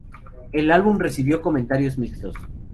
El álbum recibió comentarios mixtos.